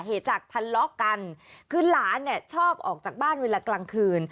เหตุจากทะเลาะกันคือหลานเนี่ยชอบออกจากบ้านเวลากลางคืน